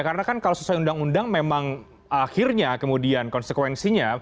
karena kan kalau sesuai undang undang memang akhirnya kemudian konsekuensinya